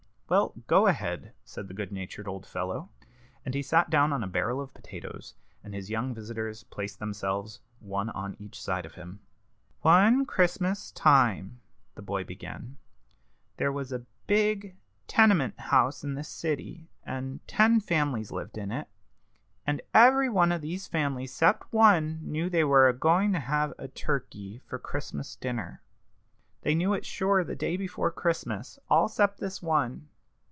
"Well, go ahead," said the good natured old fellow. And he sat down on a barrel of potatoes, and his young visitors placed themselves one on each side of him. "One Christmas time," the boy began, "there was a big tenement house in this city, and ten families lived in it, and every one of these families 'cept one knew they were a going to have turkey for their Christmas dinner. They knew it sure the day before Christmas, all 'cept this one.